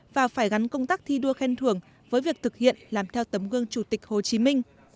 và phải gắn công tác thi đua khen thưởng với việc thực hiện làm theo tấm gương chủ tịch hồ chí minh